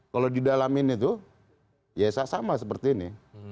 kalau di dalam ini tuh ya sama seperti ini